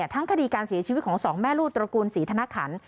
ทั้งคดีการเสียชีวิตของสองแม่ลูกตระกูลศรีธนขัน